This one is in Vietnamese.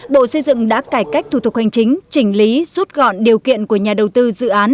bộ xây dựng đã cải cách thủ tục hành chính chỉnh lý rút gọn điều kiện của nhà đầu tư dự án